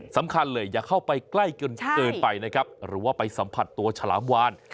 สำคัญเลยอย่าเข้าไปใกล้จนเกินไปนะครับหรือว่าไปสัมผัสตัวฉลามวาน